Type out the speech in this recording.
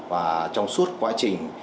và trong suốt quá trình